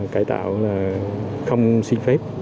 cải tạo là không xin phép